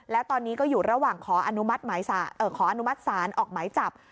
และตอนนี้ก็อยู่ระหว่างขออนุมัติสารออกไม้จับ